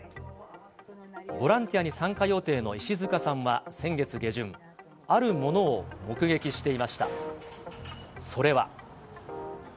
ボランティアに参加予定の石塚さんは、先月下旬、あるものを目撃していました。